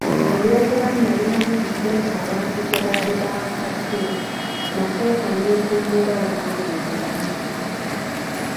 Olw'okuba nalinamu ku ssente abantu ze baali bampadde, nasooka ne mpummula omwezi mulamba.